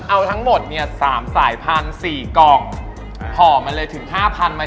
เอาทั้งหมดเนี่ย๓สายพันธุ์๔กล่องห่อมาเลยถึง๕๐๐๐มา